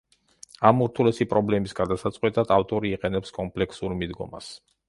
ამ ურთულესი პრობლემის გადასაწყვეტად ავტორი იყენებს კომპლექსურ მიდგომას.